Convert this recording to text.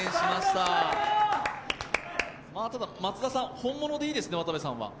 ただ松田さん、本物でいいですね、渡部さんは。